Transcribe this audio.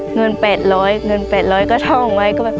เงิน๘๐๐หนุ่น๘๐๐ก็ท่องไว้